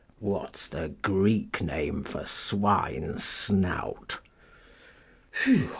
_ What's the Greek name for Swine's Snout? III. Whew!